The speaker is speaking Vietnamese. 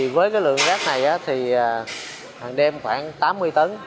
với lượng rác này thì hàng đêm khoảng tám mươi tấn